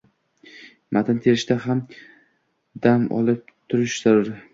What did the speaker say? Matn terishda ham dam olib turish zarur.